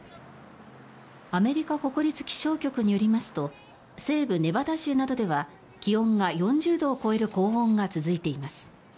アメリカ国立気象局によりますと西部ネバダ州などでは気温が４０度を超える高温が続いています。